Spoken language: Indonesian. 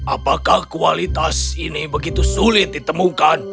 apakah kualitas ini begitu sulit ditemukan